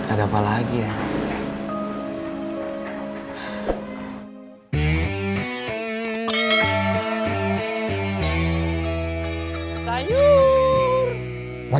ada apa lagi ya